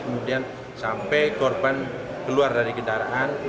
kemudian sampai korban keluar dari kendaraan